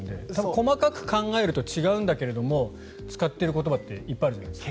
細かく考えると違うんだけども使っている言葉っていっぱいあるじゃないですか。